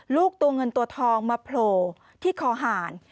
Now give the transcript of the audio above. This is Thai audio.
ลูกตัวเงินตัวทองมาโผล่ที่คอหาร